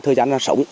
thời gian sống